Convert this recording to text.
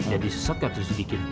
jadi sesat kan sisi sidikin